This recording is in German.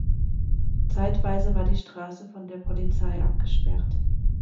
Zeitweise war die Straße von der Polizei abgesperrt.